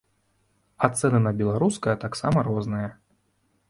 А цэны на беларускае таксама розныя.